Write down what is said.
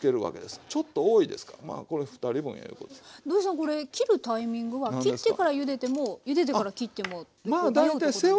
これ切るタイミングは切ってからゆでてもゆでてから切ってもってこう迷うとこなんですけども。